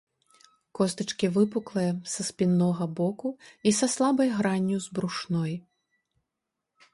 Костачкі выпуклыя са спіннога боку і са слабай гранню з брушной.